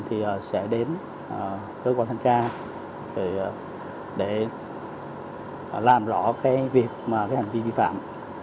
thì sẽ đến cơ quan thanh tra để làm rõ cái việc mà cái hành vi vi phạm